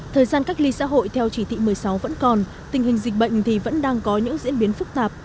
thời gian cách ly xã hội theo chỉ thị một mươi sáu vẫn còn tình hình dịch bệnh thì vẫn đang có những diễn biến phức tạp